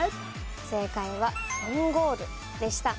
正解はオウンゴールでした。